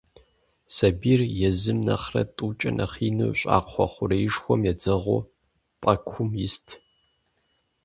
Сэбийр езым нэхърэ тӏукӏэ нэхъ ину щӏакхъуэ хъурейшхуэм едзэгъуу пӏэкум ист.